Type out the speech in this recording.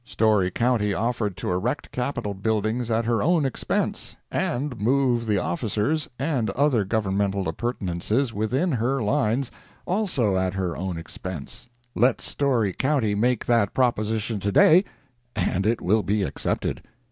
Storey county offered to erect capital buildings at her own expense, and move the officers and other governmental appurtenances within her lines, also at her own expense. Let Storey county make that proposition to day, and it will be accepted.